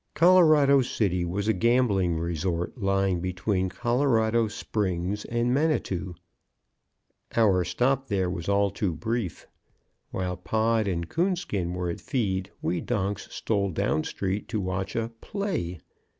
Colorado City was a gambling resort lying between Colorado Springs and Manitou. Our stop there was all too brief. While Pod and Coonskin were at feed we donks stole down street to watch a "play."